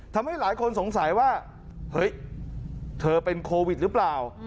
ทำให้หลายคนสงสัยว่าเฮ้ยเธอเป็นโควิดหรือเปล่า